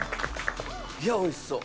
いやおいしそう！